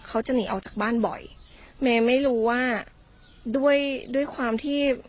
เขาจะหนีออกจากบ้านบ่อยเมย์ไม่รู้ว่าด้วยด้วยความที่